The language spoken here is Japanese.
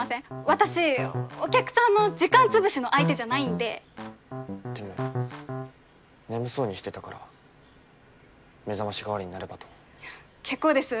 私お客さんの時間潰しの相手じゃないんででも眠そうにしてたから目覚まし代わりになればと結構です